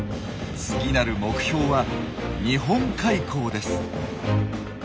次なる目標は日本海溝です。